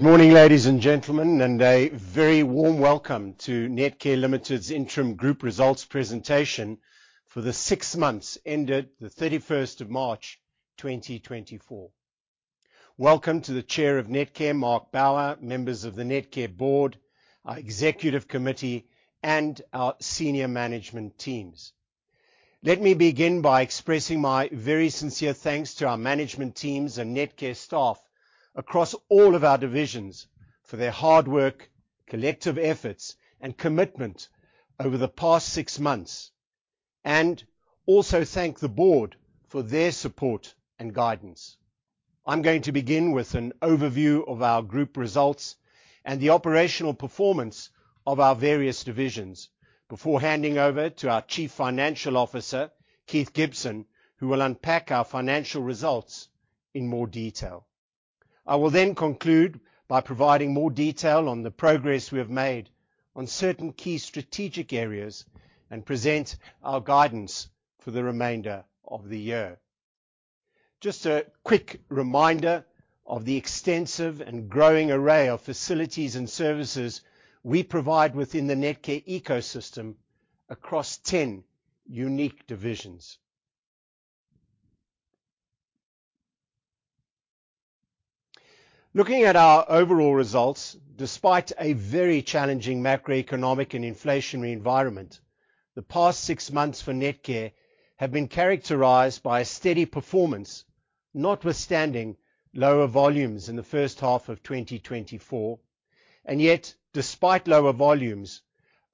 Good morning, ladies and gentlemen, and a very warm welcome to Netcare Limited's interim group results presentation for the six months ended the 31st of March, 2024. Welcome to the Chair of Netcare, Mark Bower, members of the Netcare board, our executive committee, and our senior management teams. Let me begin by expressing my very sincere thanks to our management teams and Netcare staff across all of our divisions for their hard work, collective efforts, and commitment over the past six months, and also thank the board for their support and guidance. I'm going to begin with an overview of our group results and the operational performance of our various divisions before handing over to our Chief Financial Officer, Keith Gibson, who will unpack our financial results in more detail. I will then conclude by providing more detail on the progress we have made on certain key strategic areas and present our guidance for the remainder of the year. Just a quick reminder of the extensive and growing array of facilities and services we provide within the Netcare ecosystem across 10 unique divisions. Looking at our overall results, despite a very challenging macroeconomic and inflationary environment, the past six months for Netcare have been characterized by a steady performance, notwithstanding lower volumes in the first half of 2024. And yet, despite lower volumes,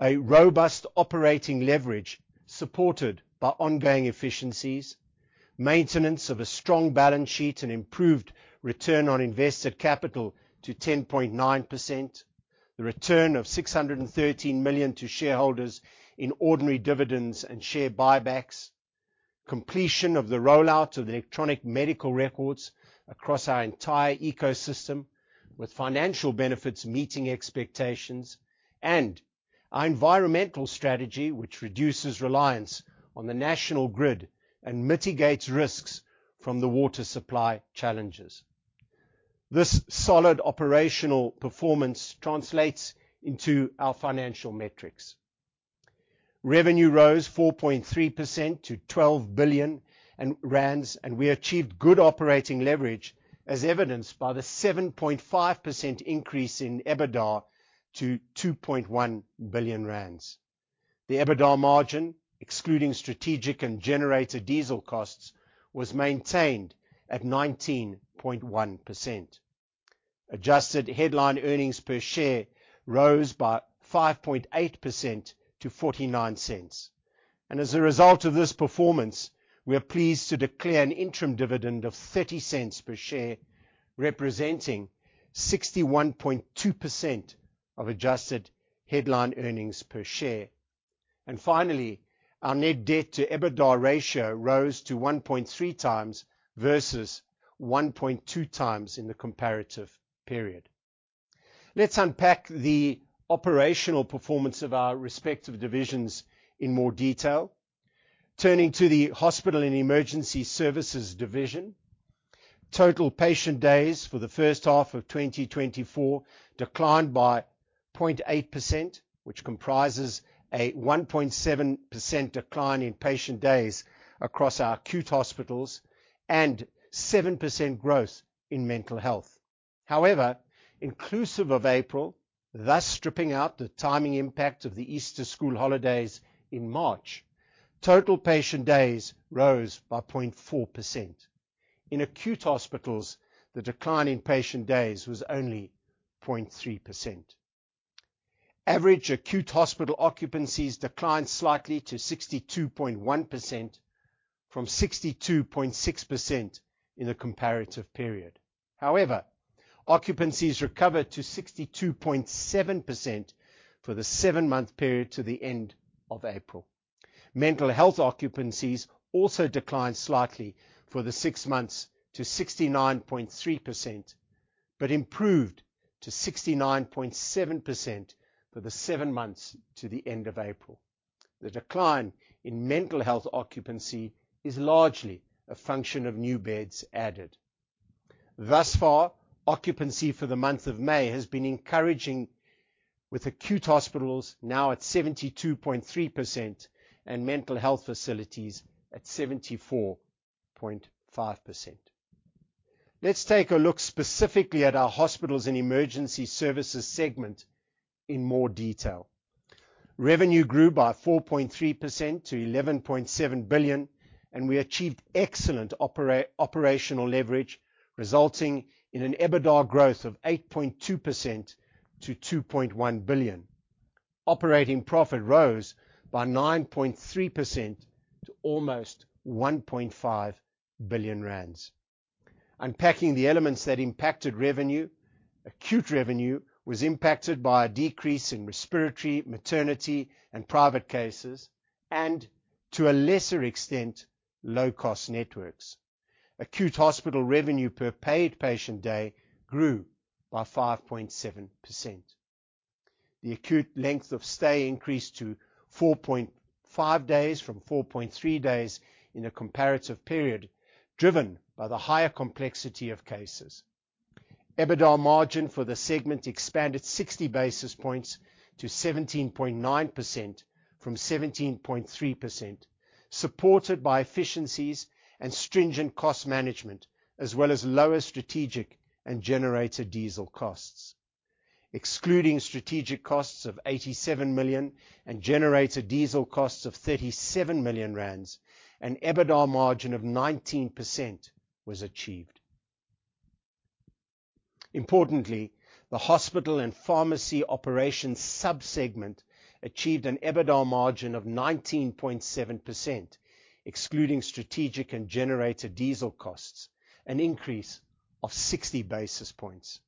a robust operating leverage supported by ongoing efficiencies, maintenance of a strong balance sheet, and improved return on invested capital to 10.9%, the return of 613 million to shareholders in ordinary dividends and share buybacks, completion of the rollout of the electronic medical records across our entire ecosystem, with financial benefits meeting expectations, and our environmental strategy, which reduces reliance on the national grid and mitigates risks from the water supply challenges. This solid operational performance translates into our financial metrics. Revenue rose 4.3% to 12 billion rand, and we achieved good operating leverage, as evidenced by the 7.5% increase in EBITDA to 2.1 billion rand. The EBITDA margin, excluding strategic and generator diesel costs, was maintained at 19.1%. Adjusted headline earnings per share rose by 5.8% to 0.49, and as a result of this performance, we are pleased to declare an interim dividend of 0.30 per share, representing 61.2% of adjusted headline earnings per share. And finally, our net debt to EBITDA ratio rose to 1.3x versus 1.2x in the comparative period. Let's unpack the operational performance of our respective divisions in more detail. Turning to the hospital and emergency services division, total patient days for the first half of 2024 declined by 0.8%, which comprises a 1.7% decline in patient days across our acute hospitals and 7% growth in mental health. However, inclusive of April, thus stripping out the timing impact of the Easter school holidays in March, total patient days rose by 0.4%. In acute hospitals, the decline in patient days was only 0.3%. Average acute hospital occupancies declined slightly to 62.1% from 62.6% in the comparative period. However, occupancies recovered to 62.7% for the seven-month period to the end of April. Mental health occupancies also declined slightly for the six months to 69.3%, but improved to 69.7% for the seven months to the end of April. The decline in mental health occupancy is largely a function of new beds added. Thus far, occupancy for the month of May has been encouraging, with acute hospitals now at 72.3% and mental health facilities at 74.5%. Let's take a look specifically at our hospitals and emergency services segment in more detail. Revenue grew by 4.3% to 11.7 billion, and we achieved excellent operational leverage, resulting in an EBITDA growth of 8.2% to 2.1 billion. Operating profit rose by 9.3% to almost 1.5 billion rand. Unpacking the elements that impacted revenue, acute revenue was impacted by a decrease in respiratory, maternity, and private cases and, to a lesser extent, low-cost networks. Acute hospital revenue per paid patient day grew by 5.7%. The acute length of stay increased to 4.5 days from 4.3 days in a comparative period, driven by the higher complexity of cases. EBITDA margin for the segment expanded 60 basis points to 17.9% from 17.3%, supported by efficiencies and stringent cost management, as well as lower strategic and generator diesel costs. Excluding strategic costs of 87 million and generator diesel costs of 37 million rand, an EBITDA margin of 19% was achieved. Importantly, the hospital and pharmacy operations sub-segment achieved an EBITDA margin of 19.7%, excluding strategic and generator diesel costs, an increase of 60 basis points.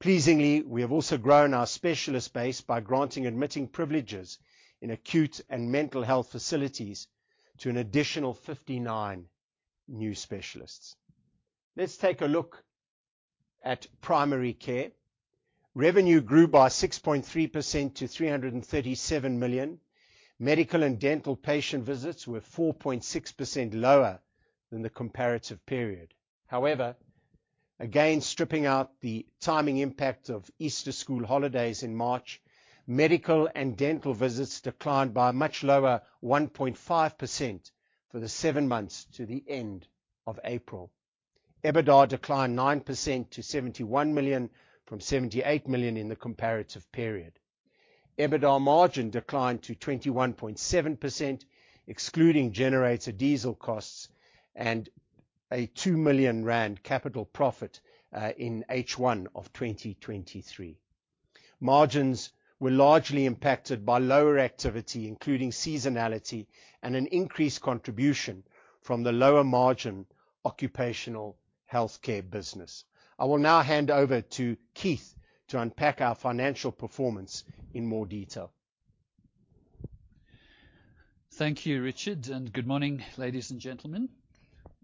Pleasingly, we have also grown our specialist base by granting admitting privileges in acute and mental health facilities to an additional 59 new specialists. Let's take a look at primary care. Revenue grew by 6.3% to 337 million. Medical and dental patient visits were 4.6% lower than the comparative period. However, again, stripping out the timing impact of Easter school holidays in March, medical and dental visits declined by a much lower 1.5% for the seven months to the end of April. EBITDA declined 9% to 71 million from 78 million in the comparative period. EBITDA margin declined to 21.7%, excluding generator diesel costs and a 2 million rand capital profit, in H1 of 2023. Margins were largely impacted by lower activity, including seasonality and an increased contribution from the lower margin occupational healthcare business. I will now hand over to Keith to unpack our financial performance in more detail. Thank you, Richard, and good morning, ladies and gentlemen.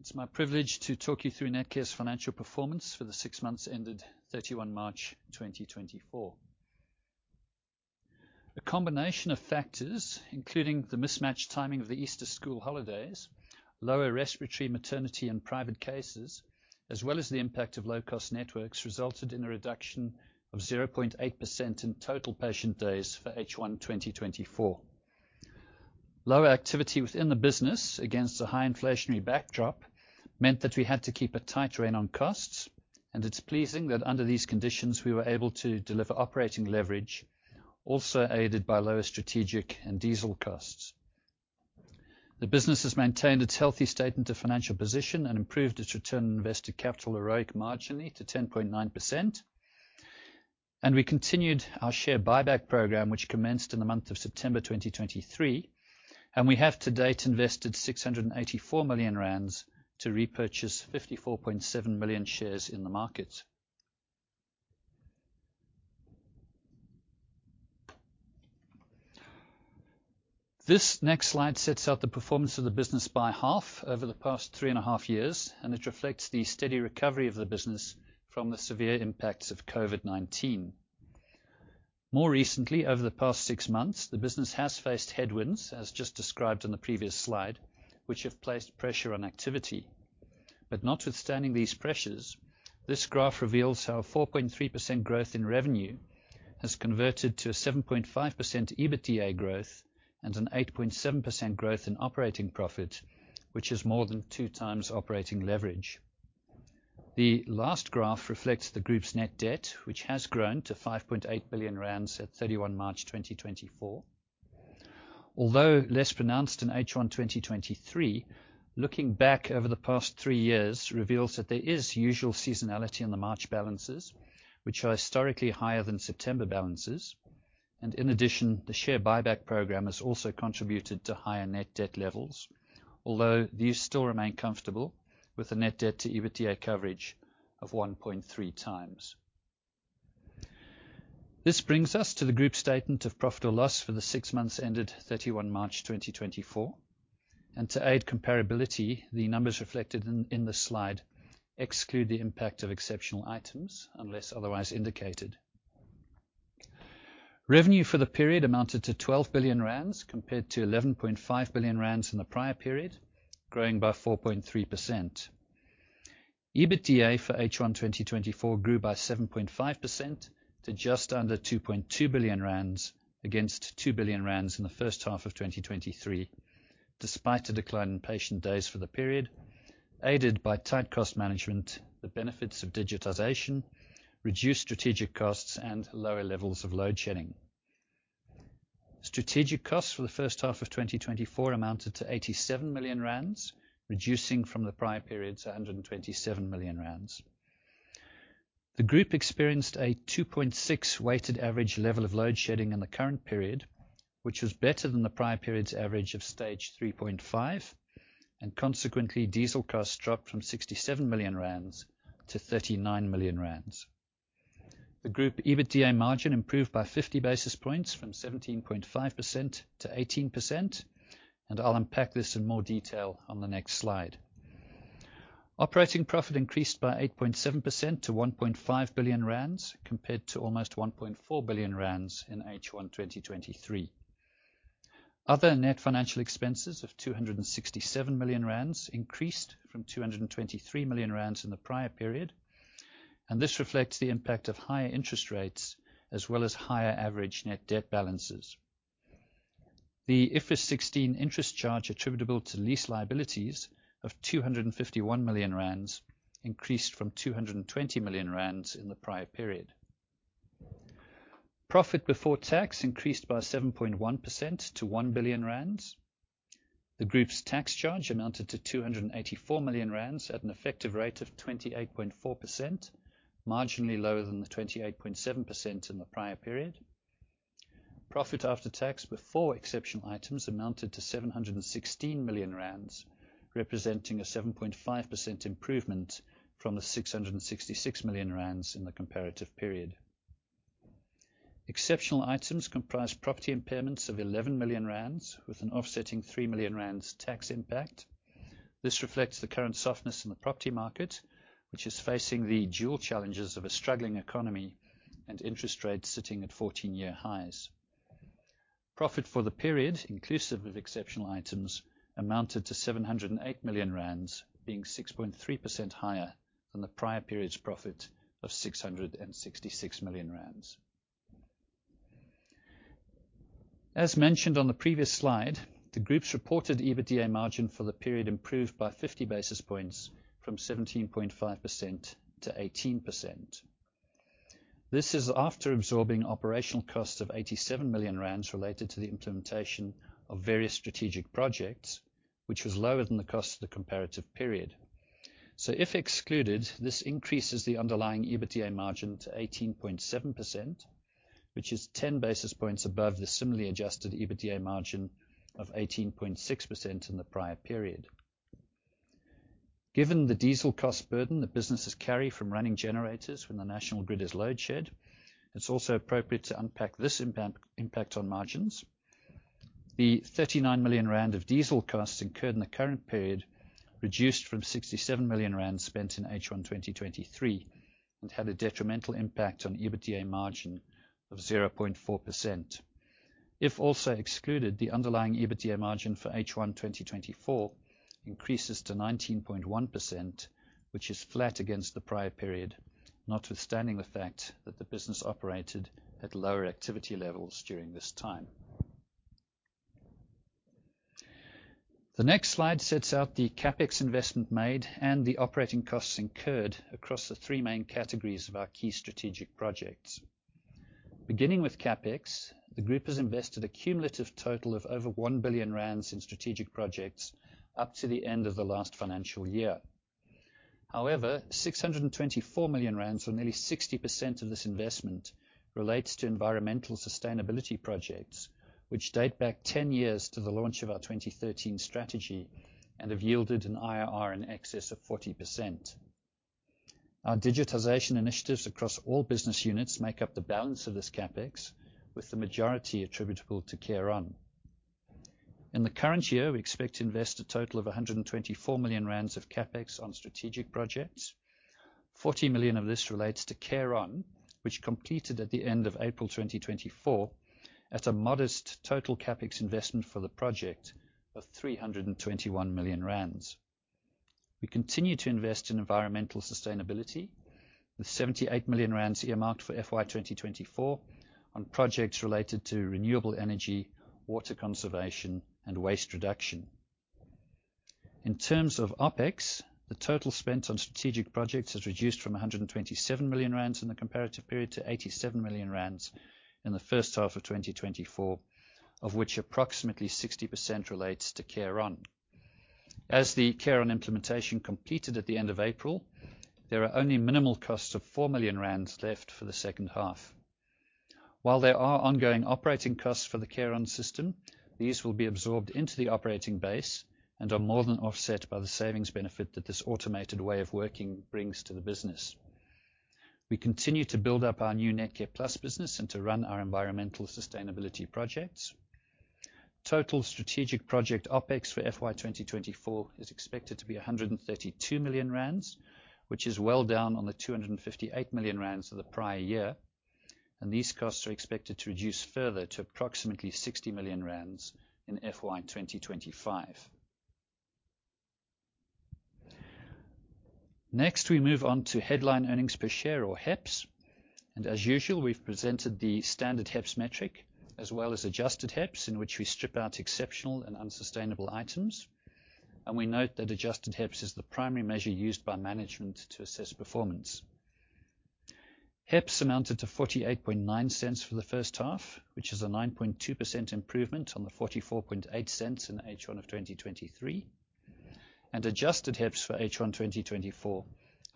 It's my privilege to talk you through Netcare's financial performance for the six months ended 31 March 2024. A combination of factors, including the mismatched timing of the Easter school holidays, lower respiratory, maternity and private cases, as well as the impact of low-cost networks, resulted in a reduction of 0.8% in total patient days for H1 2024. Lower activity within the business, against a high inflationary backdrop, meant that we had to keep a tight rein on costs, and it's pleasing that under these conditions, we were able to deliver operating leverage, also aided by lower strategic and diesel costs. The business has maintained its healthy state into financial position and improved its return on invested capital, ROIC, marginally to 10.9%, and we continued our share buyback program, which commenced in the month of September 2023, and we have to date invested 684 million rand to repurchase 54.7 million shares in the market. This next slide sets out the performance of the business by half over the past 3.5 years, and it reflects the steady recovery of the business from the severe impacts of COVID-19. More recently, over the past 6 months, the business has faced headwinds, as just described in the previous slide, which have placed pressure on activity. But notwithstanding these pressures, this graph reveals how a 4.3% growth in revenue has converted to a 7.5% EBITDA growth and an 8.7% growth in operating profit, which is more than 2x operating leverage. The last graph reflects the group's net debt, which has grown to 5.8 billion rand at 31 March 2024. Although less pronounced in H1 2023, looking back over the past three years reveals that there is usual seasonality in the March balances, which are historically higher than September balances, and in addition, the share buyback program has also contributed to higher net debt levels. Although these still remain comfortable with the net debt to EBITDA coverage of 1.3x. This brings us to the group's statement of profit or loss for the six months ended 31 March 2024, and to aid comparability, the numbers reflected in this slide exclude the impact of exceptional items, unless otherwise indicated. Revenue for the period amounted to 12 billion rand, compared to 11.5 billion rand in the prior period, growing by 4.3%. EBITDA for H1 2024 grew by 7.5% to just under 2.2 billion rand, against 2 billion rand in the first half of 2023, despite a decline in patient days for the period, aided by tight cost management, the benefits of digitization, reduced strategic costs, and lower levels of load shedding. Strategic costs for the first half of 2024 amounted to 87 million rand, reducing from the prior period to 127 million rand. The group experienced a 2.6 weighted average level of load shedding in the current period, which was better than the prior period's average of stage 3.5, and consequently, diesel costs dropped from 67 million rand to 39 million rand. The group EBITDA margin improved by 50 basis points, from 17.5% to 18%, and I'll unpack this in more detail on the next slide. Operating profit increased by 8.7% to 1.5 billion rand, compared to almost 1.4 billion rand in H1 2023. Other net financial expenses of 267 million rand increased from 223 million rand in the prior period, and this reflects the impact of higher interest rates as well as higher average net debt balances. The IFRS 16 interest charge attributable to lease liabilities of 251 million rand increased from 220 million rand in the prior period. Profit before tax increased by 7.1% to 1 billion rand. The group's tax charge amounted to 284 million rand at an effective rate of 28.4%, marginally lower than the 28.7% in the prior period. Profit after tax, before exceptional items, amounted to 716 million rand, representing a 7.5% improvement from 666 million rand in the comparative period. Exceptional items comprise property impairments of 11 million rand, with an offsetting 3 million rand tax impact. This reflects the current softness in the property market, which is facing the dual challenges of a struggling economy and interest rates sitting at fourteen-year highs. Profit for the period, inclusive of exceptional items, amounted to 708 million rand, being 6.3% higher than the prior period's profit of 666 million rand. As mentioned on the previous slide, the group's reported EBITDA margin for the period improved by 50 basis points from 17.5% to 18%. This is after absorbing operational costs of 87 million rand related to the implementation of various strategic projects, which was lower than the cost of the comparative period. So if excluded, this increases the underlying EBITDA margin to 18.7%, which is 10 basis points above the similarly adjusted EBITDA margin of 18.6% in the prior period. Given the diesel cost burden that businesses carry from running generators when the national grid is load shed, it's also appropriate to unpack this impact on margins. The 39 million rand of diesel costs incurred in the current period, reduced from 67 million rand spent in H1 2023, and had a detrimental impact on EBITDA margin of 0.4%. If also excluded, the underlying EBITDA margin for H1 2024 increases to 19.1%, which is flat against the prior period, notwithstanding the fact that the business operated at lower activity levels during this time. The next slide sets out the CapEx investment made and the operating costs incurred across the three main categories of our key strategic projects. Beginning with CapEx, the group has invested a cumulative total of over 1 billion rand in strategic projects up to the end of the last financial year. However, 624 million rand, or nearly 60% of this investment, relates to environmental sustainability projects, which date back ten years to the launch of our 2013 strategy and have yielded an IRR in excess of 40%. Our digitization initiatives across all business units make up the balance of this CapEx, with the majority attributable to CareOn. In the current year, we expect to invest a total of 124 million rand of CapEx on strategic projects. 40 million of this relates to CareOn, which was completed at the end of April 2024, at a modest total CapEx investment for the project of 321 million rand. We continue to invest in environmental sustainability, with 78 million rand earmarked for FY 2024 on projects related to renewable energy, water conservation and waste reduction. In terms of OpEx, the total spent on strategic projects has reduced from 127 million rand in the comparative period to 87 million rand in the first half of 2024, of which approximately 60% relates to CareOn. As the CareOn implementation completed at the end of April, there are only minimal costs of 4 million rand left for the second half. While there are ongoing operating costs for the CareOn system, these will be absorbed into the operating base and are more than offset by the savings benefit that this automated way of working brings to the business. We continue to build up our new NetcarePlus business and to run our environmental sustainability projects. Total strategic project OpEx for FY 2024 is expected to be 132 million rand, which is well down on the 258 million rand for the prior year, and these costs are expected to reduce further to approximately 60 million rand in FY 2025. Next, we move on to headline earnings per share or HEPS. As usual, we've presented the standard HEPS metric as well as adjusted HEPS, in which we strip out exceptional and unsustainable items. We note that adjusted HEPS is the primary measure used by management to assess performance. HEPS amounted to 0.489 for the first half, which is a 9.2% improvement on the 0.448 in H1 of 2023. Adjusted HEPS for H1 2024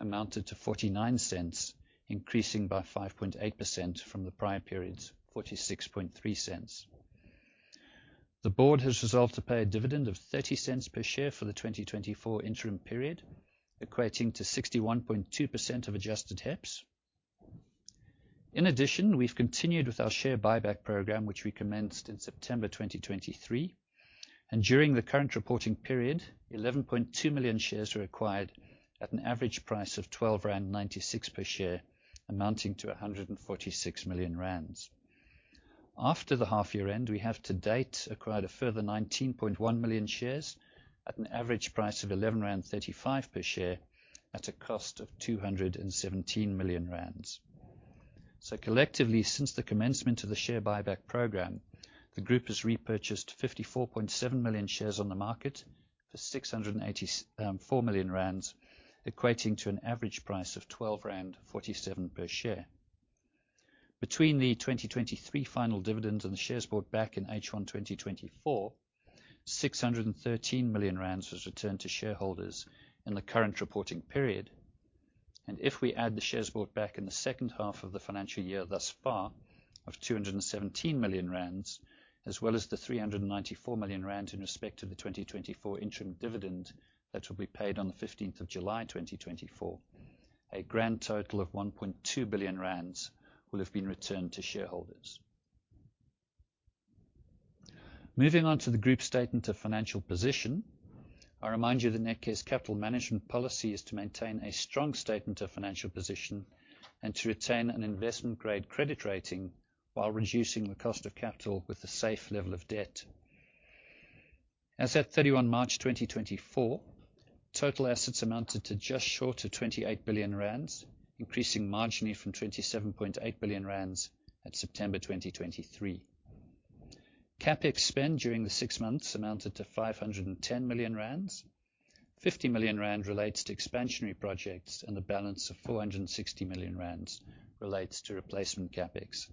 amounted to 0.49, increasing by 5.8% from the prior period's 0.463. The board has resolved to pay a dividend of 0.30 per share for the 2024 interim period, equating to 61.2% of adjusted HEPS. In addition, we've continued with our share buyback program, which we commenced in September 2023, and during the current reporting period, 11.2 million shares were acquired at an average price of 12.96 rand per share, amounting to 146 million rand. After the half-year end, we have to date acquired a further 19.1 million shares at an average price of 11.35 rand per share, at a cost of 217 million rand. So collectively, since the commencement of the share buyback program, the group has repurchased 54.7 million shares on the market for 684 million rand, equating to an average price of 12.47 rand per share. Between the 2023 final dividend and the shares bought back in H1 2024, 613 million rand was returned to shareholders in the current reporting period. And if we add the shares bought back in the second half of the financial year, thus far, of 217 million rand, as well as the 394 million rand in respect to the 2024 interim dividend that will be paid on the fifteenth of July 2024, a grand total of 1.2 billion rand will have been returned to shareholders. Moving on to the group statement of financial position, I remind you that Netcare's capital management policy is to maintain a strong statement of financial position and to retain an investment-grade credit rating while reducing the cost of capital with a safe level of debt. As at 31 March 2024, total assets amounted to just short of 28 billion rand, increasing marginally from 27.8 billion rand at September 2023. CapEx spend during the six months amounted to 510 million rand. 50 million rand relates to expansionary projects, and the balance of 460 million rand relates to replacement CapEx.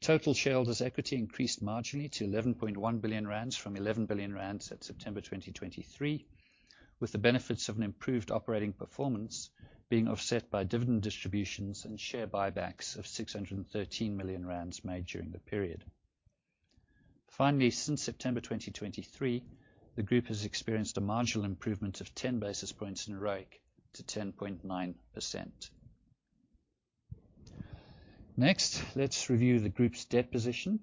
Total shareholders' equity increased marginally to 11.1 billion rand from 11 billion rand at September 2023, with the benefits of an improved operating performance being offset by dividend distributions and share buybacks of 613 million rand made during the period. Finally, since September 2023, the group has experienced a marginal improvement of ten basis points in ROIC to 10.9%. Next, let's review the group's debt position.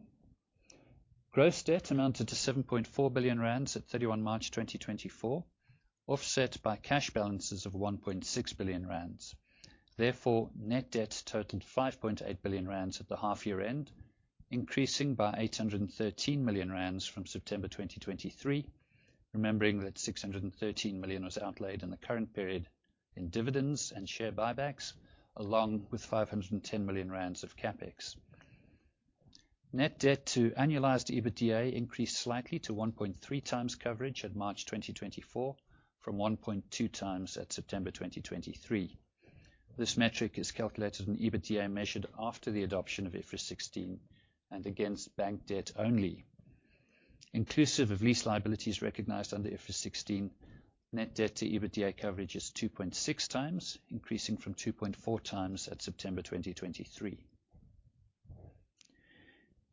Gross debt amounted to 7.4 billion rand at 31 March 2024, offset by cash balances of 1.6 billion rand. Therefore, net debt totaled 5.8 billion rand at the half-year end, increasing by 813 million rand from September 2023. Remembering that 613 million was outlaid in the current period in dividends and share buybacks, along with 510 million rand of CapEx. Net debt to annualized EBITDA increased slightly to 1.3x coverage at March 2024, from 1.2x at September 2023. This metric is calculated on EBITDA, measured after the adoption of IFRS 16 and against bank debt only. Inclusive of lease liabilities recognized under IFRS 16, net debt to EBITDA coverage is 2.6x, increasing from 2.4x at September 2023.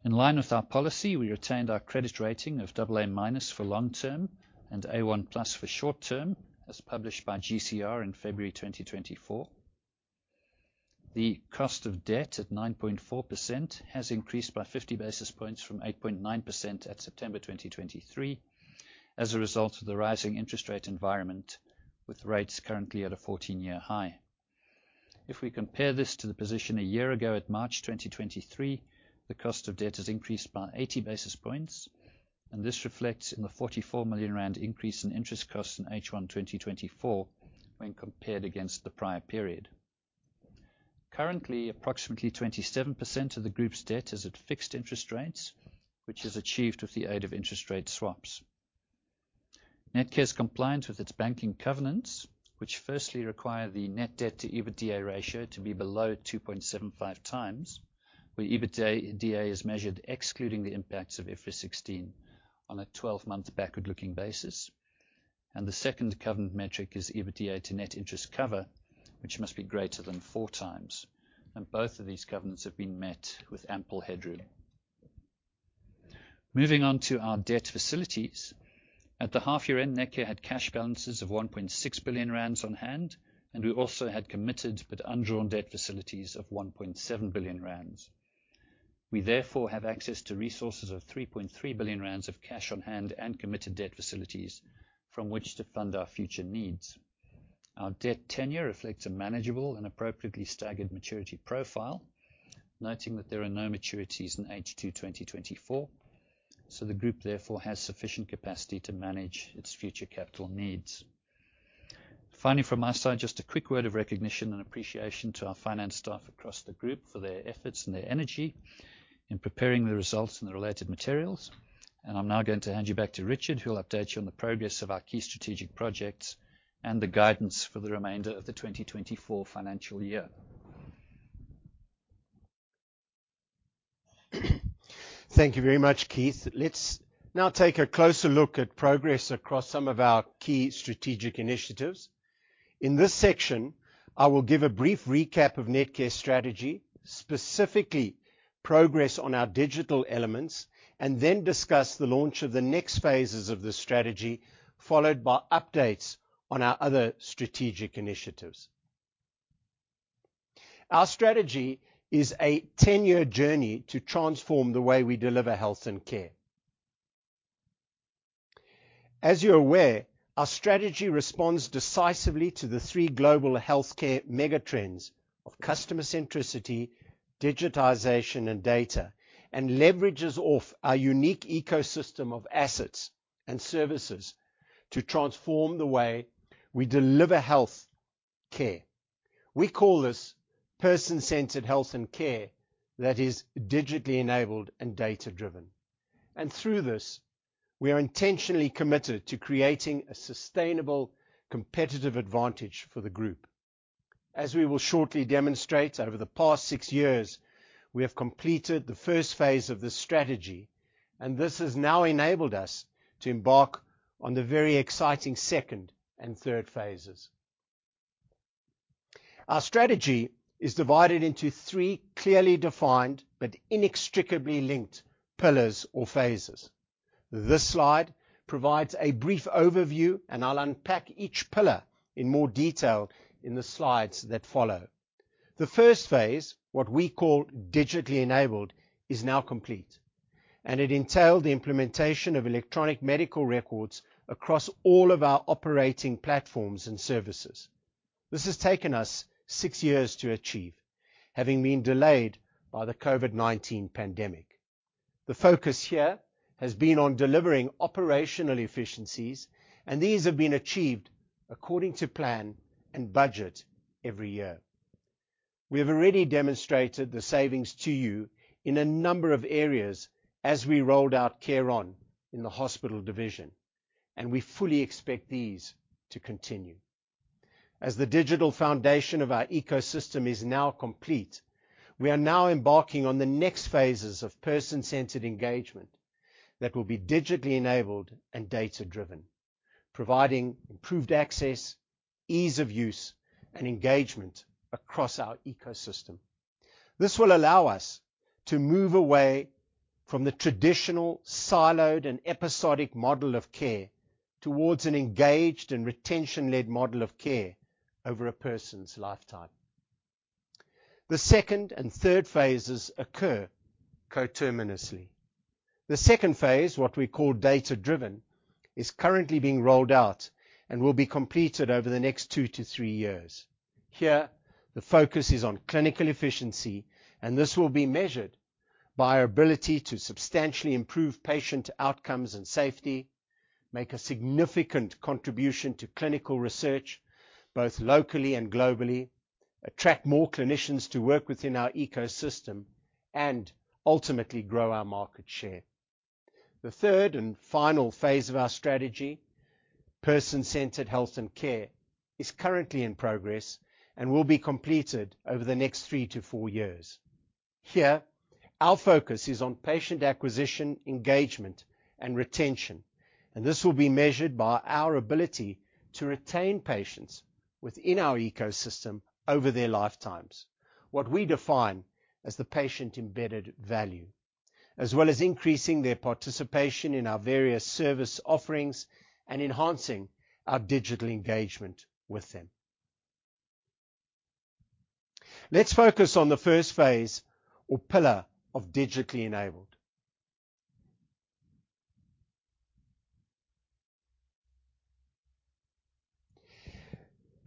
In line with our policy, we retained our credit rating of AA- for long-term and A1+ for short-term, as published by GCR in February 2024. The cost of debt at 9.4% has increased by 50 basis points from 8.9% at September 2023, as a result of the rising interest rate environment, with rates currently at a 14-year high. If we compare this to the position a year ago at March 2023, the cost of debt has increased by 80 basis points, and this reflects in the 44 million rand increase in interest costs in H1 2024 when compared against the prior period. Currently, approximately 27% of the group's debt is at fixed interest rates, which is achieved with the aid of interest rate swaps. Netcare is compliant with its banking covenants, which firstly require the net debt to EBITDA ratio to be below 2.75x, where EBITDA is measured excluding the impacts of IFRS 16 on a 12-month backward-looking basis. The second covenant metric is EBITDA to net interest cover, which must be greater than 4x, and both of these covenants have been met with ample headroom. Moving on to our debt facilities. At the half-year end, Netcare had cash balances of 1.6 billion rand on hand, and we also had committed, but undrawn debt facilities of 1.7 billion rand. We therefore have access to resources of 3.3 billion rand of cash on hand and committed debt facilities from which to fund our future needs. Our debt tenure reflects a manageable and appropriately staggered maturity profile, noting that there are no maturities in H2 2024, so the group therefore has sufficient capacity to manage its future capital needs. Finally, from my side, just a quick word of recognition and appreciation to our finance staff across the group for their efforts and their energy in preparing the results and the related materials. I'm now going to hand you back to Richard, who will update you on the progress of our key strategic projects and the guidance for the remainder of the 2024 financial year. Thank you very much, Keith. Let's now take a closer look at progress across some of our key strategic initiatives. In this section, I will give a brief recap of Netcare's strategy, specifically progress on our digital elements, and then discuss the launch of the next phases of the strategy, followed by updates on our other strategic initiatives. Our strategy is a ten-year journey to transform the way we deliver health and care. As you're aware, our strategy responds decisively to the three global healthcare megatrends of customer centricity, digitization, and data, and leverages off our unique ecosystem of assets and services to transform the way we deliver health care. We call this person-centered health and care that is digitally enabled and data-driven, and through this, we are intentionally committed to creating a sustainable, competitive advantage for the group. As we will shortly demonstrate, over the past six years, we have completed the first phase of this strategy, and this has now enabled us to embark on the very exciting second and third phases. Our strategy is divided into three clearly defined but inextricably linked pillars or phases. This slide provides a brief overview, and I'll unpack each pillar in more detail in the slides that follow. The first phase, what we call digitally enabled, is now complete, and it entailed the implementation of electronic medical records across all of our operating platforms and services. This has taken us six years to achieve, having been delayed by the COVID-19 pandemic. The focus here has been on delivering operational efficiencies, and these have been achieved according to plan and budget every year. We have already demonstrated the savings to you in a number of areas as we rolled out CareOn in the hospital division, and we fully expect these to continue. As the digital foundation of our ecosystem is now complete, we are now embarking on the next phases of person-centered engagement that will be digitally enabled and data-driven, providing improved access, ease of use, and engagement across our ecosystem. This will allow us to move away from the traditional, siloed, and episodic model of care towards an engaged and retention-led model of care over a person's lifetime. The second and third phases occur coterminously. The second phase, what we call data-driven, is currently being rolled out and will be completed over the next 2-3 years. Here, the focus is on clinical efficiency, and this will be measured by our ability to substantially improve patient outcomes and safety, make a significant contribution to clinical research, both locally and globally, attract more clinicians to work within our ecosystem, and ultimately grow our market share. The third and final phase of our strategy, Person-Centered Health and Care, is currently in progress and will be completed over the next 3-4 years. Here, our focus is on patient acquisition, engagement, and retention, and this will be measured by our ability to retain patients within our ecosystem over their lifetimes, what we define as the patient-embedded value, as well as increasing their participation in our various service offerings and enhancing our digital engagement with them. Let's focus on the first phase or pillar of digitally enabled.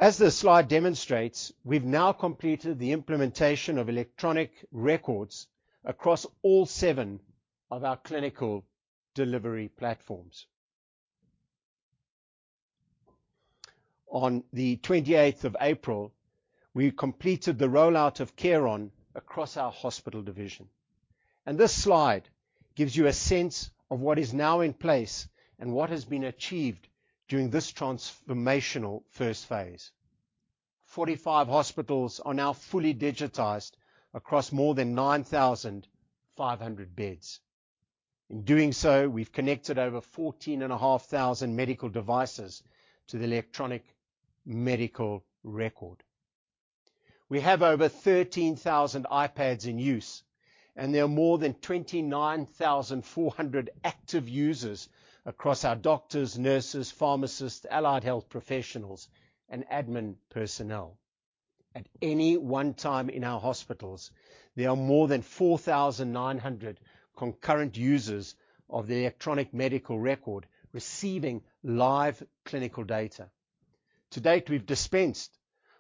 As this slide demonstrates, we've now completed the implementation of electronic records across all seven of our clinical delivery platforms. On the 28th of April, we completed the rollout of CareOn across our hospital division, and this slide gives you a sense of what is now in place and what has been achieved during this transformational first phase. 45 hospitals are now fully digitized across more than 9,500 beds. In doing so, we've connected over 14,500 medical devices to the electronic medical record. We have over 13,000 iPads in use, and there are more than 29,400 active users across our doctors, nurses, pharmacists, allied health professionals, and admin personnel. At any one time in our hospitals, there are more than 4,900 concurrent users of the electronic medical record receiving live clinical data. To date, we've dispensed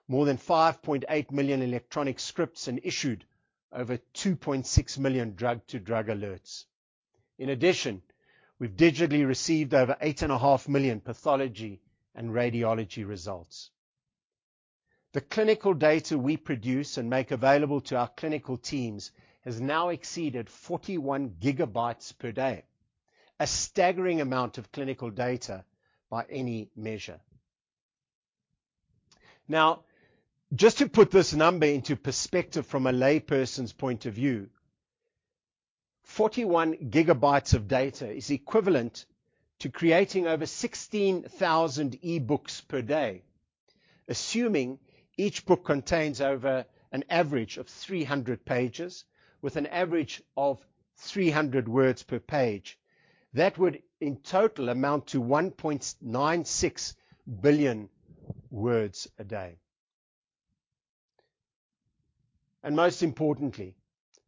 more than 5.8 million electronic scripts and issued over 2.6 million drug-to-drug alerts. In addition, we've digitally received over 8.5 million pathology and radiology results. The clinical data we produce and make available to our clinical teams has now exceeded 41 GB per day, a staggering amount of clinical data by any measure. Now, just to put this number into perspective from a layperson's point of view, 41 GB of data is equivalent to creating over 16,000 e-books per day, assuming each book contains over an average of 300 pages with an average of three hundred words per page, that would, in total, amount to 1.96 billion words a day. And most importantly,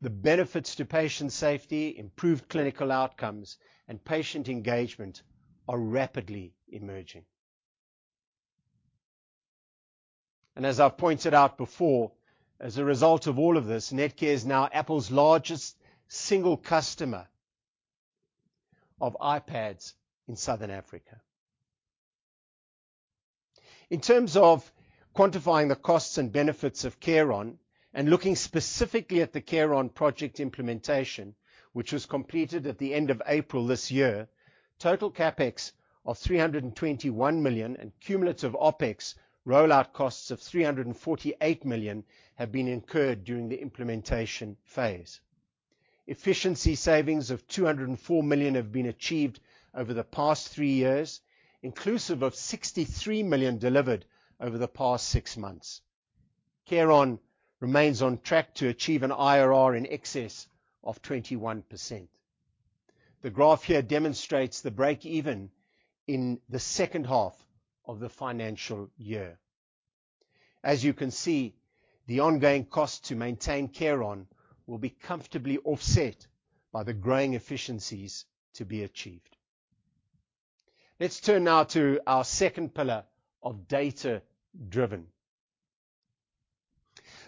the benefits to patient safety, improved clinical outcomes, and patient engagement are rapidly emerging. As I've pointed out before, as a result of all of this, Netcare is now Apple's largest single customer of iPads in Southern Africa. In terms of quantifying the costs and benefits of CareOn, and looking specifically at the CareOn project implementation, which was completed at the end of April this year, total CapEx of 321 million and cumulative OpEx rollout costs of 348 million have been incurred during the implementation phase. Efficiency savings of 204 million have been achieved over the past three years, inclusive of 63 million delivered over the past six months. CareOn remains on track to achieve an IRR in excess of 21%. The graph here demonstrates the break-even in the second half of the financial year. As you can see, the ongoing cost to maintain CareOn will be comfortably offset by the growing efficiencies to be achieved. Let's turn now to our second pillar of data-driven.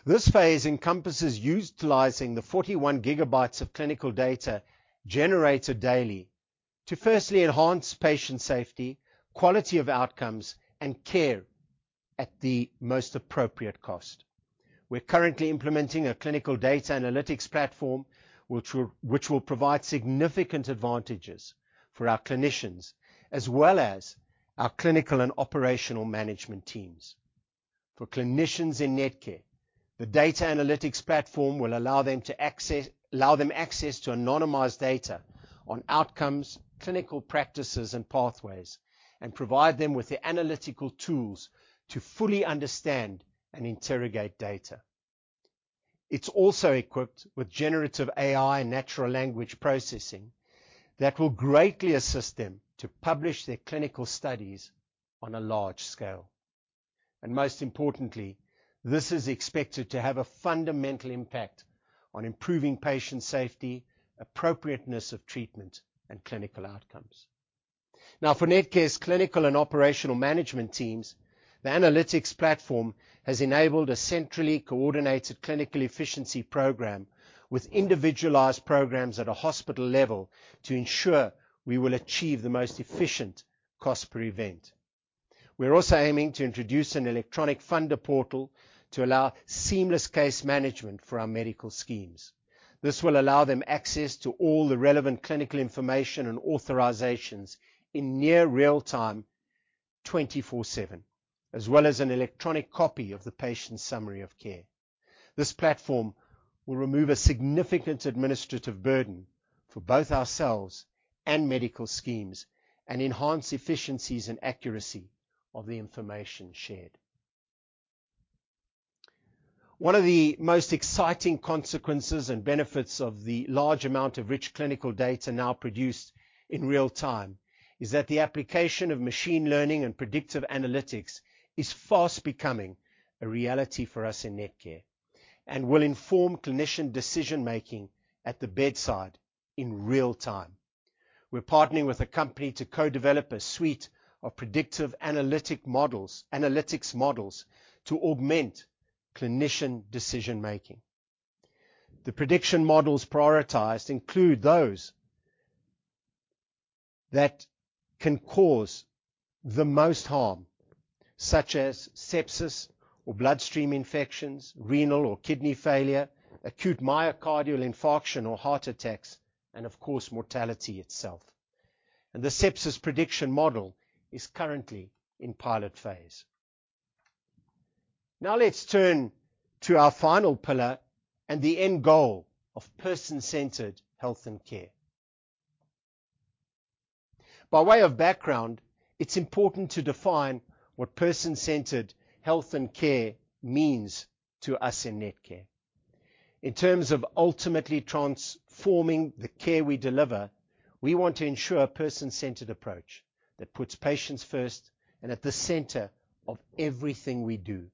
This phase encompasses utilizing the 41 GB of clinical data generated daily to firstly enhance patient safety, quality of outcomes, and care at the most appropriate cost. We're currently implementing a clinical data analytics platform, which will provide significant advantages for our clinicians, as well as our clinical and operational management teams. For clinicians in Netcare, the data analytics platform will allow them access to anonymized data on outcomes, clinical practices, and pathways, and provide them with the analytical tools to fully understand and interrogate data. It's also equipped with generative AI and natural language processing that will greatly assist them to publish their clinical studies on a large scale. And most importantly, this is expected to have a fundamental impact on improving patient safety, appropriateness of treatment, and clinical outcomes. Now, for Netcare's clinical and operational management teams, the analytics platform has enabled a centrally coordinated clinical efficiency program with individualized programs at a hospital level to ensure we will achieve the most efficient cost per event. We're also aiming to introduce an electronic funder portal to allow seamless case management for our medical schemes. This will allow them access to all the relevant clinical information and authorizations in near real time, 24/7, as well as an electronic copy of the patient's summary of care. This platform will remove a significant administrative burden for both ourselves and medical schemes and enhance efficiencies and accuracy of the information shared. One of the most exciting consequences and benefits of the large amount of rich clinical data now produced in real time is that the application of machine learning and predictive analytics is fast becoming a reality for us in Netcare and will inform clinician decision-making at the bedside in real time. We're partnering with a company to co-develop a suite of predictive analytic models, analytics models to augment clinician decision-making. The prediction models prioritized include those that can cause the most harm, such as sepsis or bloodstream infections, renal or kidney failure, acute myocardial infarction or heart attacks, and of course, mortality itself. The sepsis prediction model is currently in pilot phase. Now, let's turn to our final pillar and the end goal of person-centered health and care. By way of background, it's important to define what person-centered health and care means to us in Netcare. In terms of ultimately transforming the care we deliver, we want to ensure a person-centered approach that puts patients first and at the center of everything we do,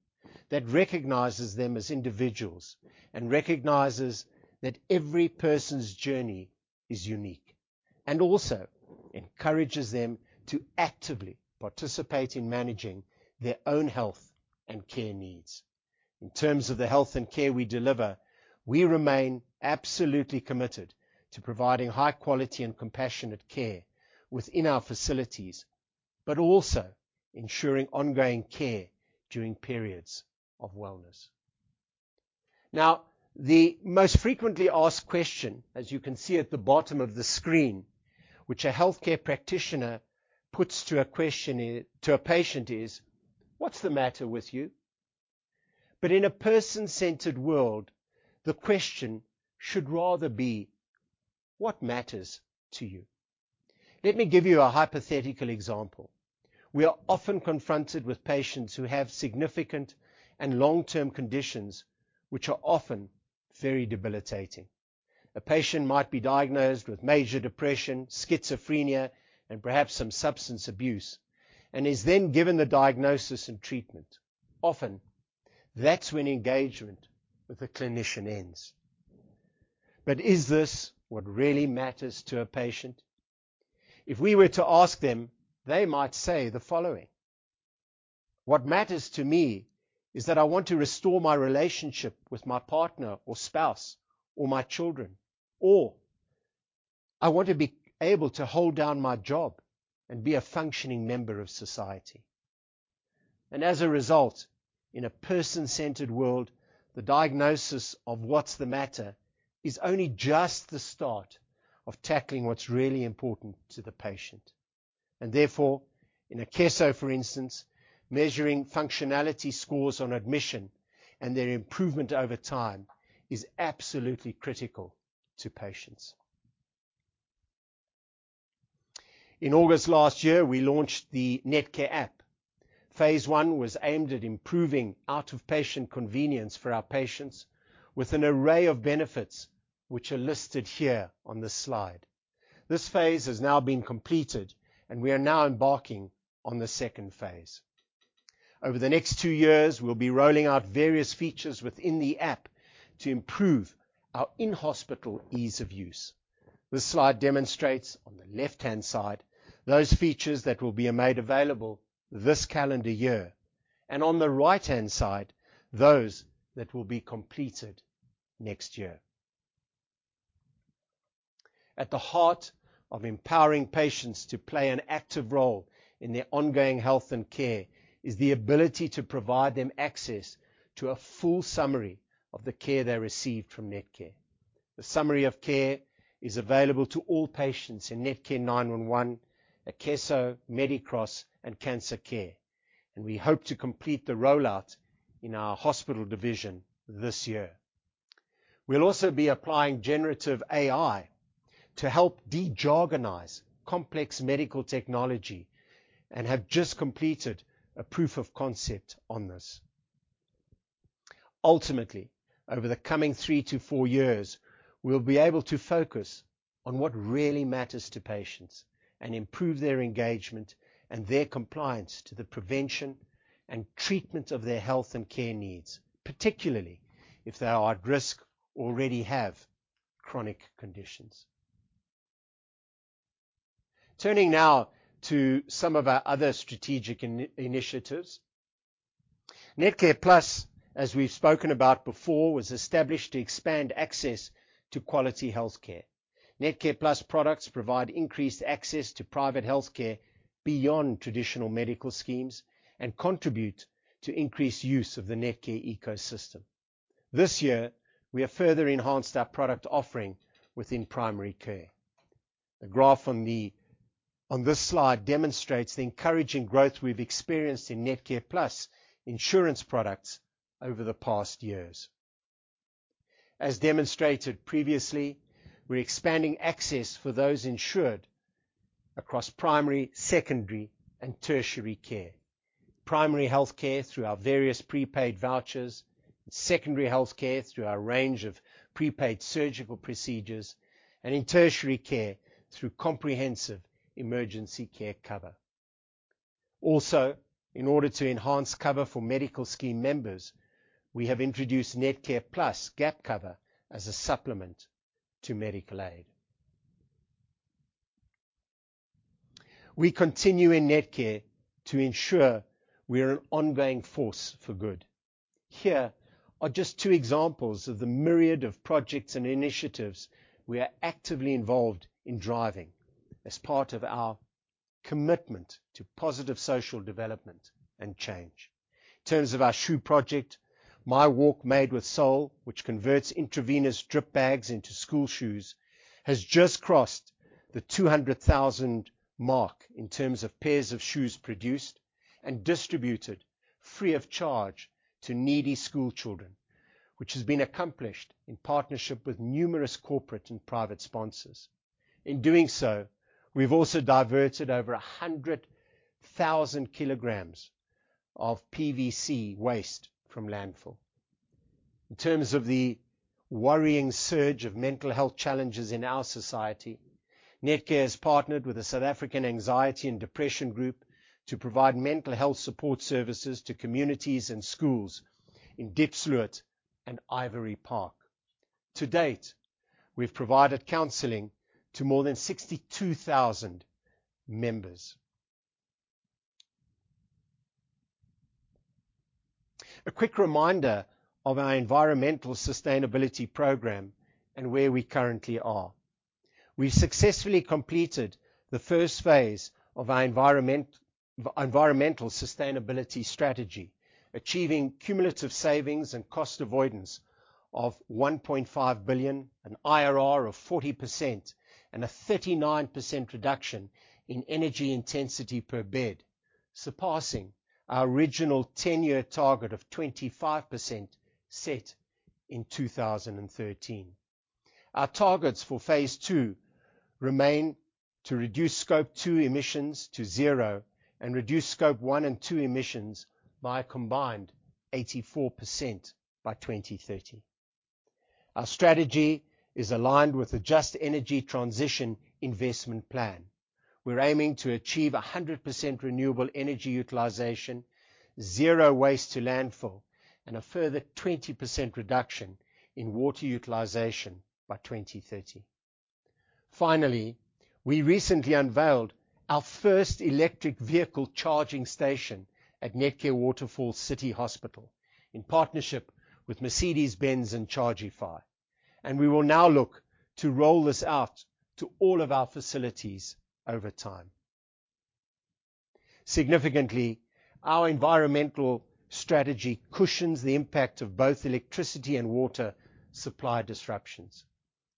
that recognizes them as individuals, and recognizes that every person's journey is unique, and also encourages them to actively participate in managing their own health and care needs. In terms of the health and care we deliver, we remain absolutely committed to providing high quality and compassionate care within our facilities, but also ensuring ongoing care during periods of wellness. Now, the most frequently asked question, as you can see at the bottom of the screen, which a healthcare practitioner puts to a patient is: What's the matter with you? But in a person-centered world, the question should rather be: What matters to you?...Let me give you a hypothetical example. We are often confronted with patients who have significant and long-term conditions, which are often very debilitating. A patient might be diagnosed with major depression, schizophrenia, and perhaps some substance abuse, and is then given the diagnosis and treatment. Often, that's when engagement with the clinician ends. But is this what really matters to a patient? If we were to ask them, they might say the following: "What matters to me is that I want to restore my relationship with my partner or spouse or my children," or, "I want to be able to hold down my job and be a functioning member of society." And as a result, in a person-centered world, the diagnosis of what's the matter is only just the start of tackling what's really important to the patient. And therefore, in Akeso, for instance, measuring functionality scores on admission and their improvement over time is absolutely critical to patients. In August last year, we launched the Netcare app. Phase I was aimed at improving out-of-patient convenience for our patients, with an array of benefits which are listed here on this slide. This phase has now been completed, and we are now embarking on the second phase. Over the next two years, we'll be rolling out various features within the app to improve our in-hospital ease of use. This slide demonstrates, on the left-hand side, those features that will be made available this calendar year, and on the right-hand side, those that will be completed next year. At the heart of empowering patients to play an active role in their ongoing health and care, is the ability to provide them access to a full summary of the care they received from Netcare. The summary of care is available to all patients in Netcare 911, Akeso, Medicross, and Cancer Care, and we hope to complete the rollout in our hospital division this year. We'll also be applying generative AI to help de-jargonize complex medical technology and have just completed a proof of concept on this. Ultimately, over the coming 3-4 years, we'll be able to focus on what really matters to patients and improve their engagement and their compliance to the prevention and treatment of their health and care needs, particularly if they are at risk or already have chronic conditions. Turning now to some of our other strategic initiatives. NetcarePlus, as we've spoken about before, was established to expand access to quality healthcare. NetcarePlus products provide increased access to private healthcare beyond traditional medical schemes and contribute to increased use of the Netcare ecosystem. This year, we have further enhanced our product offering within primary care. The graph on this slide demonstrates the encouraging growth we've experienced in NetcarePlus insurance products over the past years. As demonstrated previously, we're expanding access for those insured across primary, secondary, and tertiary care. Primary healthcare, through our various prepaid vouchers, secondary healthcare, through our range of prepaid surgical procedures, and in tertiary care, through comprehensive emergency care cover. Also, in order to enhance cover for medical scheme members, we have introduced NetcarePlus Gap Cover as a supplement to medical aid. We continue in Netcare to ensure we are an ongoing force for good. Here are just two examples of the myriad of projects and initiatives we are actively involved in driving as part of our commitment to positive social development and change. In terms of our shoe project, My Walk Made with Soul, which converts intravenous drip bags into school shoes, has just crossed the 200,000 mark in terms of pairs of shoes produced and distributed free of charge to needy schoolchildren, which has been accomplished in partnership with numerous corporate and private sponsors. In doing so, we've also diverted over 100,000 kg of PVC waste from landfill. In terms of the worrying surge of mental health challenges in our society, Netcare has partnered with the South African Depression and Anxiety Group to provide mental health support services to communities and schools in Diepsloot and Ivory Park. To date, we've provided counseling to more than 62,000 members. A quick reminder of our environmental sustainability program and where we currently are. We've successfully completed the first phase of our environmental sustainability strategy, achieving cumulative savings and cost avoidance of 1.5 billion, an IRR of 40%, and a 39% reduction in energy intensity per bed, surpassing our original ten-year target of 25% set in 2013. Our targets for phase II remain to reduce Scope 2 emissions to zero and reduce Scope 1 and 2 emissions by a combined 84% by 2030. Our strategy is aligned with the Just Energy Transition Investment Plan. We're aiming to achieve 100% renewable energy utilization, zero waste to landfill, and a further 20% reduction in water utilization by 2030. Finally, we recently unveiled our first electric vehicle charging station at Netcare Waterfall City Hospital in partnership with Mercedes-Benz and Chargify, and we will now look to roll this out to all of our facilities over time. Significantly, our environmental strategy cushions the impact of both electricity and water supply disruptions.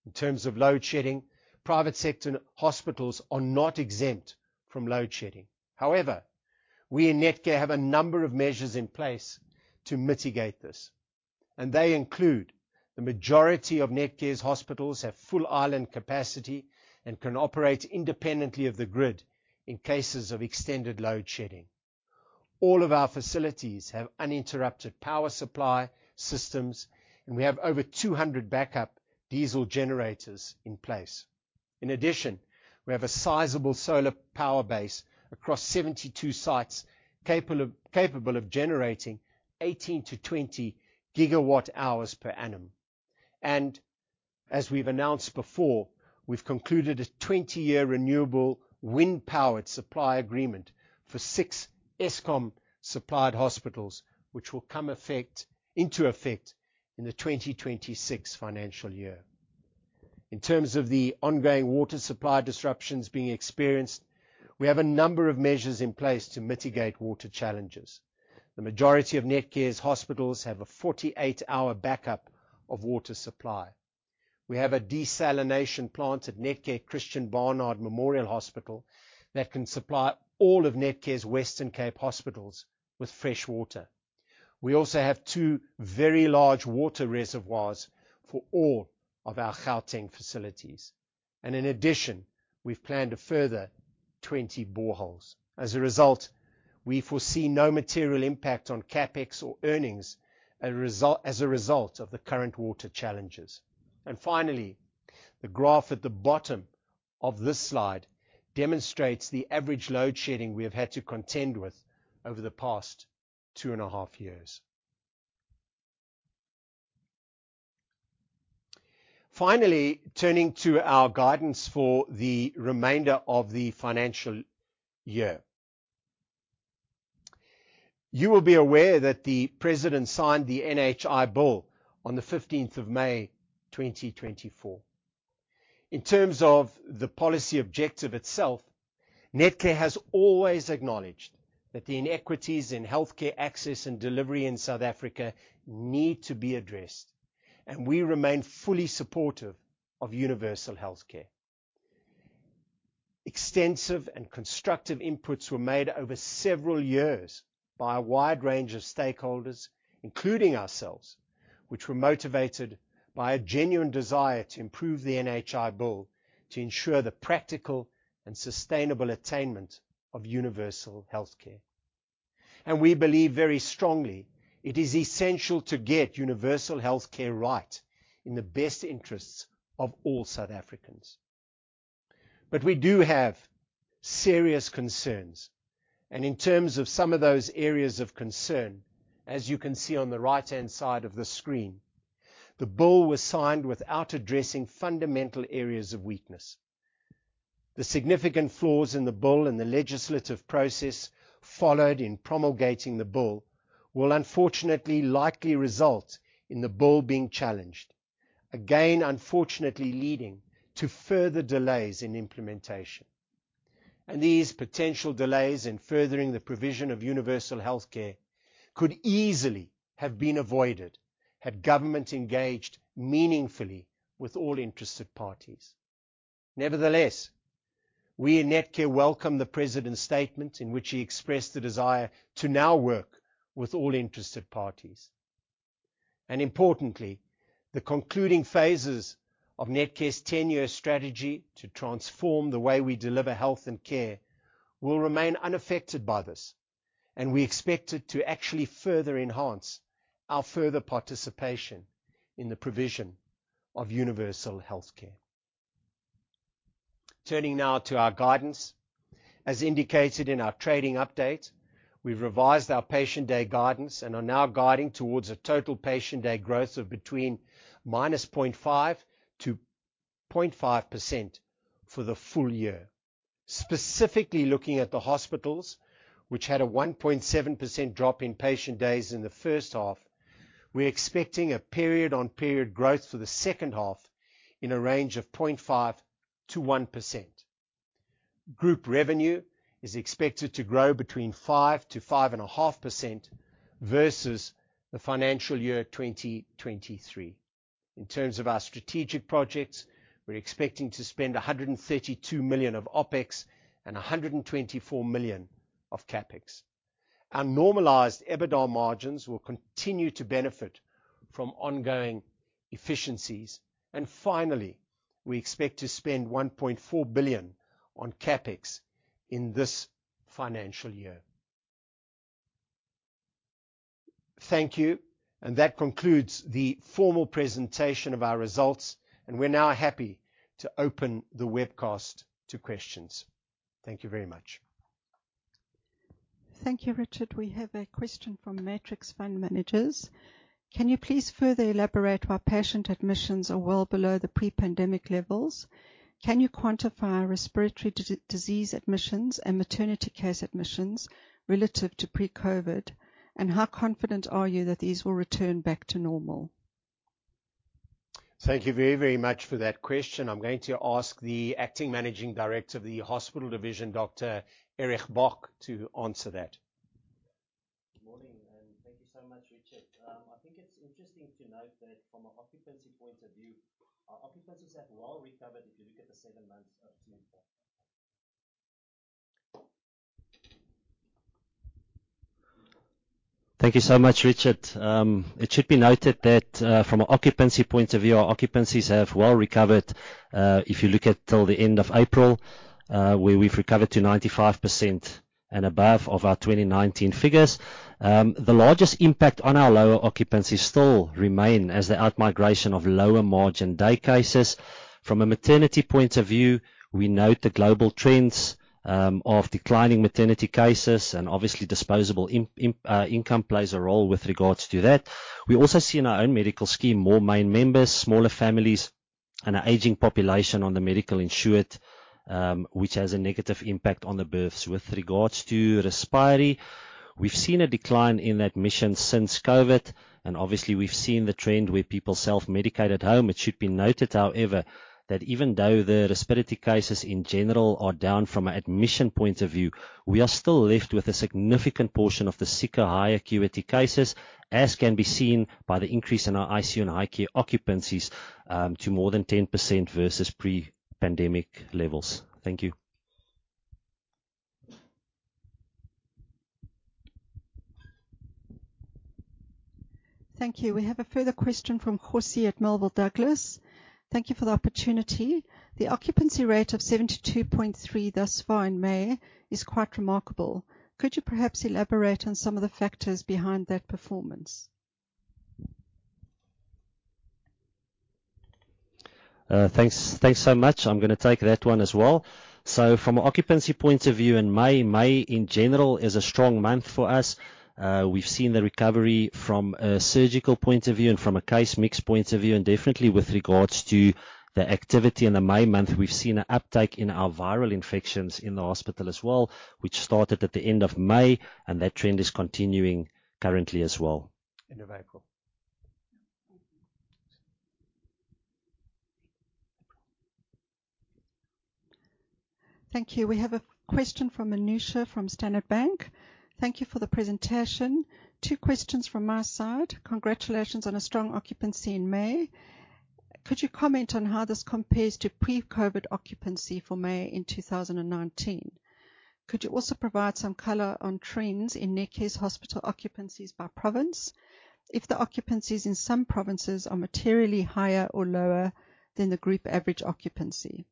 In terms of load shedding, private sector hospitals are not exempt from load shedding. However, we in Netcare have a number of measures in place to mitigate this, and they include: the majority of Netcare's hospitals have full island capacity and can operate independently of the grid in cases of extended load shedding. All of our facilities have uninterrupted power supply systems, and we have over 200 backup diesel generators in place. In addition, we have a sizable solar power base across 72 sites, capable of generating 18 GWh-20 GWh per annum. As we've announced before, we've concluded a 20-year renewable wind-powered supply agreement for 6 Eskom-supplied hospitals, which will come into effect in the 2026 financial year. In terms of the ongoing water supply disruptions being experienced, we have a number of measures in place to mitigate water challenges. The majority of Netcare's hospitals have a 48-hour backup of water supply. We have a desalination plant at Netcare Christiaan Barnard Memorial Hospital that can supply all of Netcare's Western Cape hospitals with fresh water. We also have two very large water reservoirs for all of our Gauteng facilities, and in addition, we've planned a further 20 boreholes. As a result, we foresee no material impact on CapEx or earnings as a result of the current water challenges. Finally, the graph at the bottom of this slide demonstrates the average load shedding we have had to contend with over the past 2.5 years. Finally, turning to our guidance for the remainder of the financial year. You will be aware that the President signed the NHI Bill on the 15th, May 2024. In terms of the policy objective itself, Netcare has always acknowledged that the inequities in healthcare access and delivery in South Africa need to be addressed, and we remain fully supportive of universal healthcare. Extensive and constructive inputs were made over several years by a wide range of stakeholders, including ourselves, which were motivated by a genuine desire to improve the NHI Bill, to ensure the practical and sustainable attainment of universal healthcare. We believe very strongly it is essential to get universal healthcare right in the best interests of all South Africans. But we do have serious concerns, and in terms of some of those areas of concern, as you can see on the right-hand side of the screen, the bill was signed without addressing fundamental areas of weakness. The significant flaws in the bill and the legislative process followed in promulgating the bill will, unfortunately, likely result in the bill being challenged, again, unfortunately leading to further delays in implementation. And these potential delays in furthering the provision of universal healthcare could easily have been avoided had government engaged meaningfully with all interested parties. Nevertheless, we in Netcare welcome the President's statement in which he expressed the desire to now work with all interested parties. Importantly, the concluding phases of Netcare's ten-year strategy to transform the way we deliver health and care will remain unaffected by this, and we expect it to actually further enhance our further participation in the provision of universal healthcare. Turning now to our guidance. As indicated in our trading update, we've revised our patient day guidance and are now guiding towards a total patient day growth of between -0.5% to 0.5% for the full year. Specifically looking at the hospitals, which had a 1.7% drop in patient days in the first half, we're expecting a period-on-period growth for the second half in a range of 0.5%-1%. Group revenue is expected to grow between 5%-5.5% versus the financial year 2023.... In terms of our strategic projects, we're expecting to spend 132 million of OpEx and 124 million of CapEx. Our normalized EBITDA margins will continue to benefit from ongoing efficiencies. And finally, we expect to spend 1.4 billion on CapEx in this financial year. Thank you, and that concludes the formal presentation of our results, and we're now happy to open the webcast to questions. Thank you very much. Thank you, Richard. We have a question from Matrix Fund Managers: Can you please further elaborate why patient admissions are well below the pre-pandemic levels? Can you quantify respiratory disease admissions and maternity case admissions relative to pre-COVID, and how confident are you that these will return back to normal? Thank you very, very much for that question. I'm going to ask the Acting Managing Director of the Hospital Division, Dr. Erich Bock, to answer that. Good morning, and thank you so much, Richard. I think it's interesting to note that from an occupancy point of view, our occupancies have well recovered if you look at the seven months up to April. Thank you so much, Richard. It should be noted that, from an occupancy point of view, our occupancies have well recovered. If you look at till the end of April, where we've recovered to 95% and above of our 2019 figures. The largest impact on our lower occupancy still remain as the outmigration of lower margin day cases. From a maternity point of view, we note the global trends, of declining maternity cases, and obviously disposable income plays a role with regards to that. We also see in our own medical scheme, more male members, smaller families, and an aging population on the medical insured, which has a negative impact on the births. With regards to respiratory, we've seen a decline in admissions since COVID, and obviously, we've seen the trend where people self-medicate at home. It should be noted, however, that even though the respiratory cases in general are down from an admission point of view, we are still left with a significant portion of the sicker, high acuity cases, as can be seen by the increase in our ICU and high care occupancies, to more than 10% versus pre-pandemic levels. Thank you. Thank you. We have a further question from Jose at Melville Douglas. Thank you for the opportunity. The occupancy rate of 72.3% thus far in May is quite remarkable. Could you perhaps elaborate on some of the factors behind that performance? Thanks, thanks so much. I'm gonna take that one as well. So from an occupancy point of view in May, May, in general, is a strong month for us. We've seen the recovery from a surgical point of view and from a case mix point of view, and definitely with regards to the activity in the May month, we've seen an uptake in our viral infections in the hospital as well, which started at the end of May, and that trend is continuing currently as well. End of April. Thank you. We have a question from Anusha from Standard Bank. Thank you for the presentation. Two questions from my side. Congratulations on a strong occupancy in May. Could you comment on how this compares to pre-COVID occupancy for May in 2019? Could you also provide some color on trends in Netcare's hospital occupancies by province, if the occupancies in some provinces are materially higher or lower than the group average occupancy?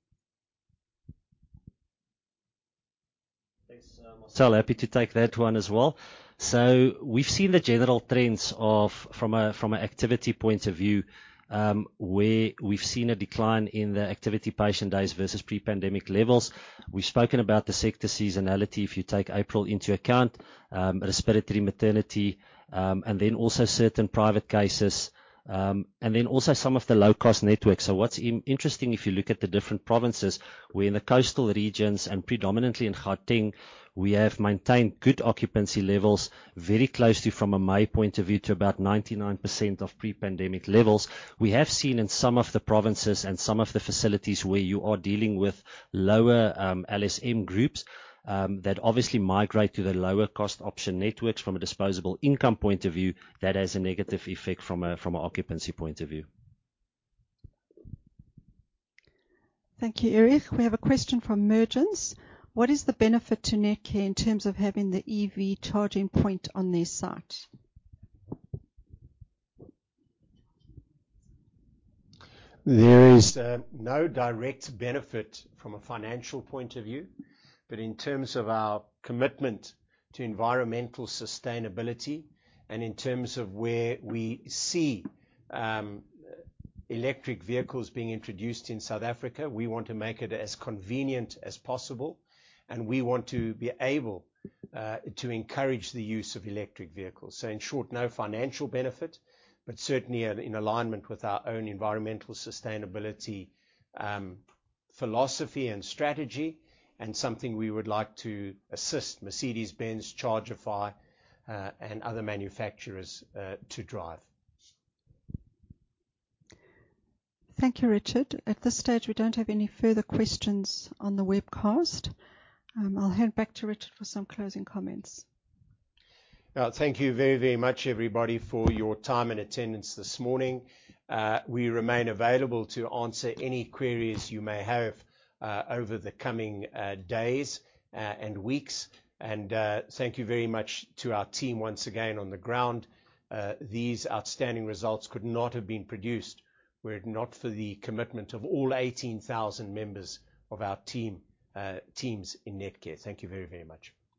Thanks, I'm so happy to take that one as well. So we've seen the general trends from an activity point of view, where we've seen a decline in the activity patient days versus pre-pandemic levels. We've spoken about the sector seasonality, if you take April into account, respiratory, maternity, and then also certain private cases, and then also some of the low-cost networks. So what's interesting, if you look at the different provinces, where in the coastal regions and predominantly in Gauteng, we have maintained good occupancy levels, very closely from a May point of view to about 99% of pre-pandemic levels. We have seen in some of the provinces and some of the facilities where you are dealing with lower LSM groups that obviously migrate to the lower cost option networks from a disposable income point of view, that has a negative effect from an occupancy point of view. Thank you, Erich. We have a question from Mergence: What is the benefit to Netcare in terms of having the EV charging point on their site? There is no direct benefit from a financial point of view, but in terms of our commitment to environmental sustainability and in terms of where we see electric vehicles being introduced in South Africa, we want to make it as convenient as possible, and we want to be able to encourage the use of electric vehicles. So in short, no financial benefit, but certainly in alignment with our own environmental sustainability philosophy and strategy, and something we would like to assist Mercedes-Benz, Chargify, and other manufacturers to drive. Thank you, Richard. At this stage, we don't have any further questions on the webcast. I'll hand back to Richard for some closing comments. Thank you very, very much, everybody, for your time and attendance this morning. We remain available to answer any queries you may have over the coming days and weeks. Thank you very much to our team once again on the ground. These outstanding results could not have been produced were it not for the commitment of all 18,000 members of our team, teams in Netcare. Thank you very, very much.